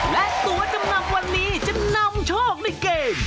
และตัวจำนัดวันนี้จะนำชอกได้เก่ง